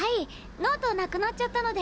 ノートなくなっちゃったので。